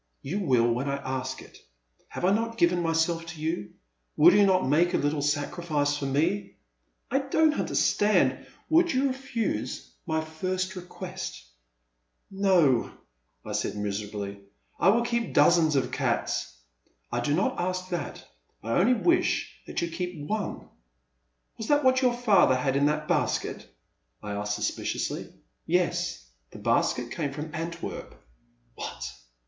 You will when I ask it. Have I not given myself to you? Will you not make a little sacrij&ce for me?*' " I don*t understand —"Would you refuse my j&rst request ?" "No," I said miserably, "I will keep dozens of cats— '* I do not ask that ; I only wish you to keep one.'* "Was that what your father had in that basket?" I asked suspiciously. " Yes, the basket came from Antwerp." " What